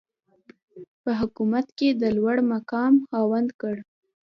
په حکومت کې د لوړمقام خاوند کړ.